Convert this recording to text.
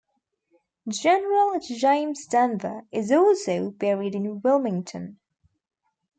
General James Denver is also buried in Wilmington.